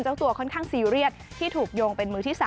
เจ้าตัวค่อนข้างซีเรียสที่ถูกโยงเป็นมือที่๓